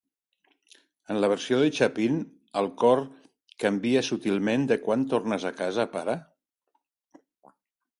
En la versió de Chapin, el cor canvia subtilment de "Quan tornes a casa, pare?".